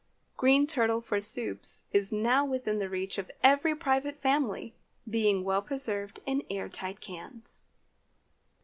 Green turtle for soups is now within the reach of every private family, being well preserved in air tight cans.